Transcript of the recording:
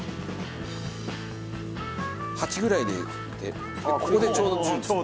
８ぐらいでここでちょうど１０にする。